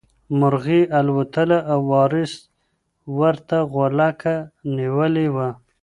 مرغۍ الوتله او وارث ورته غولکه نیولې وه.